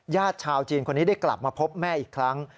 ชาวจีนคนนี้ได้กลับมาพบแม่อีกครั้ง